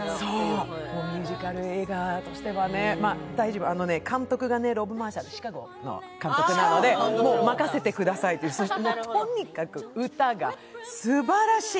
ミュージカル映画としてはね、監督がロブ・マーシャル、「シカゴ」の監督なので、任せてくださいと、とにかく歌がすばらしい！